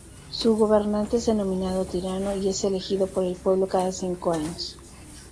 Su gobernante es denominado "tirano" y es elegido por el pueblo cada cinco años.